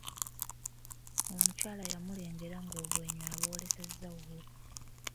Omukyala yamulengera ng'obwenyi abw'olesezza wuwe.